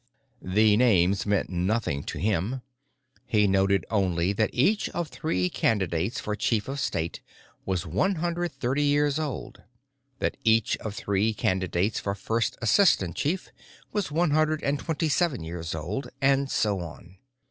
The names meant nothing to him. He noted only that each of three candidates for Chief of State was one hundred thirty years old, that each of three candidates for First Assistant Chief was one hundred and twenty seven years old, and so on.